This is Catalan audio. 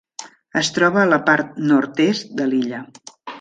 Es troba a la part nord-est de l'illa.